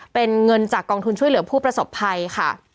เป็นเงินจากกองทุนช่วยเหลือผู้ประสบภัยค่ะ